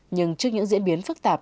nhưng trước những diễn biến phức tạp